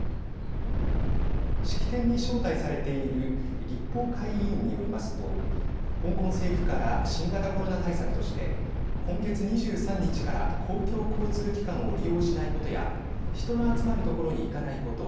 式典に招待されている立法会議員によりますと香港政府から新型コロナ対策として今月２３日から公共交通機関を利用しないことや人の集まる所に行かないこと。